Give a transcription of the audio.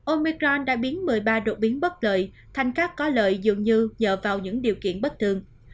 omicron đã biến một mươi ba đột biến bất lợi thành các có lợi dường như dựa vào những điều kiện bất thường